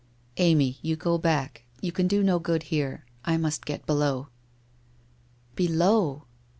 ' Amy, you go back. You can do no good here. I must get below/ Below